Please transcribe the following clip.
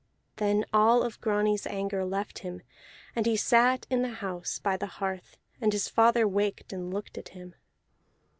Then all of Grani's anger left him, and he sat in the house by the hearth, and his father waked and looked at him.